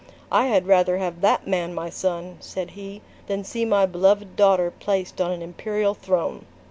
"I had rather have that man my son," said he, "than see my beloved daughter placed on an imperial throne."